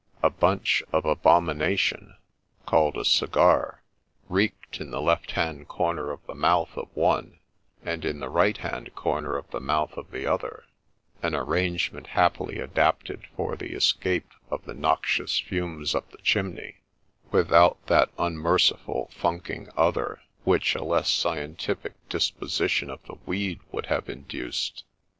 A bunch of abomination, called a cigar, reeked in the left hand corner of the mouth of one, and in the right hand corner of the mouth of the other ;— an arrangement happily adapted for the escape of the noxious fumes up the chimney, without that unmerciful ' funking ' other, which a less scientific disposition of the weed would have induced.